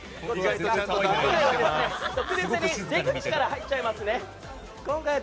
特別に出口から入っちゃいますね。